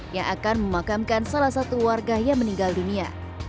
yang akan memakamkan salah satu warga yang meninggal dunia